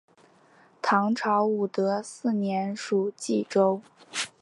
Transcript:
唐朝武德四年属济州。